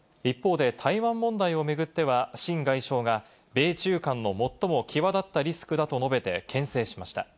一方で台湾問題を巡っては、シン外相が米中間の最も際立ったリスクだと述べてけん制しました。